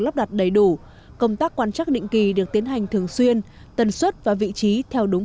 lắp đặt đầy đủ công tác quan chắc định kỳ được tiến hành thường xuyên tần suất và vị trí theo đúng